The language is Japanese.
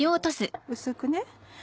薄くね。